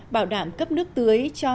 bảo đảm cấp nước tưới cho